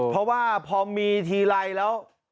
เพราะว่าพอมีทีไรแล้ว